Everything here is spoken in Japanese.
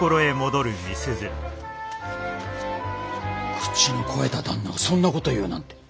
口の肥えた旦那がそんなこと言うなんて。